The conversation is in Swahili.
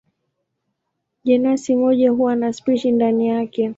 Jenasi moja huwa na spishi ndani yake.